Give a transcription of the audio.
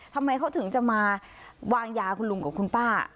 ทำไมเขาถึงจะมาวางยาคุณลุงกับคุณป้า